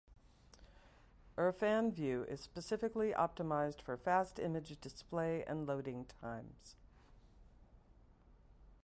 IrfanView is specifically optimized for fast image display and loading times.